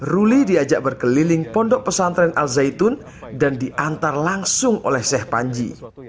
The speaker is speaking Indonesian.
ruli diajak berkeliling pondok pesantren al zaitun dan diantar langsung oleh sheikh panji